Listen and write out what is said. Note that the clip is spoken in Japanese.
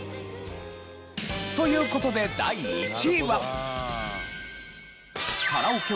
という事で第１位は。